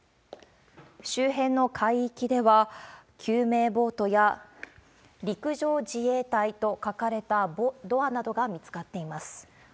周辺の海域では、救命ボートや陸上自衛隊と書かれたドアなどが見つかっています。